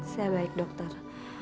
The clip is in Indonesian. saya baik dokter